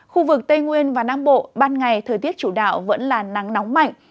khu vực tây nguyên và nam bộ ban ngày thời tiết chủ đạo vẫn là nắng nóng mạnh